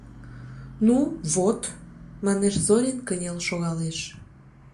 — Ну, вот, — манеш Зорин, кынел шогалеш.